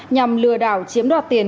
nhằm lừa đảo chiếm đoạt tiền